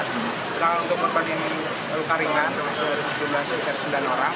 sementara untuk korban yang luka ringan berjumlah sekitar sembilan orang